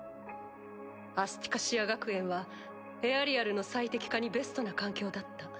アスティカシア学園はエアリアルの最適化にベストな環境だった。